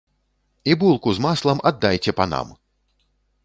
І булку з маслам аддайце панам!